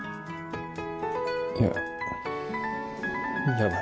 ややばい